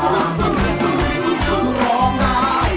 ร้องได้ร้องได้ร้องได้ร้องได้